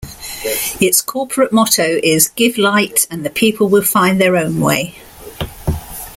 Its corporate motto is Give light and the people will find their own way.